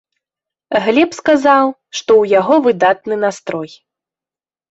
Глеб сказаў, што ў яго выдатны настрой.